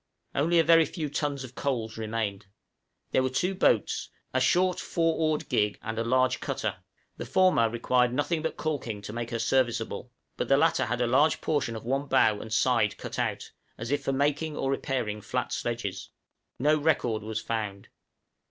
Only a very few tons of coals remained. There were two boats, a short four oared gig and a large cutter; the former required nothing but caulking to make her serviceable, but the latter had a large portion of one bow and side cut out, as if for making, or repairing flat sledges. No record was found.